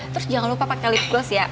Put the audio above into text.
terus jangan lupa pake lipgloss ya